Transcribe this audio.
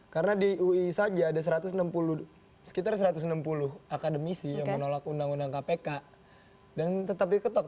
karena di ui saja ada satu ratus enam puluh sekitar satu ratus enam puluh akademisi yang menolak undang undang kpk dan tetap diketok